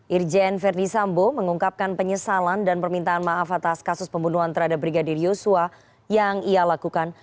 irjen verdi sambo mengungkapkan penyesalan dan permintaan maaf atas kasus pembunuhan terhadap brigadir yosua yang ia lakukan